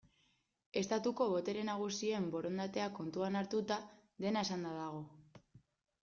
Estatuko botere nagusien borondatea kontuan hartuta, dena esanda dago.